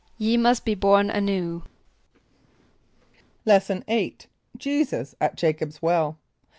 ="Ye must be born anew."= Lesson VIII. Jesus at Jacob's Well.